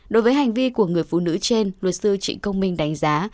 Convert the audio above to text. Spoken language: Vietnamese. đối với hành vi của người phụ nữ trên luật sư trịnh công minh đánh giá